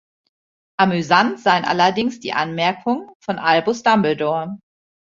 Amüsant seien allerdings die Anmerkungen von Albus Dumbledore.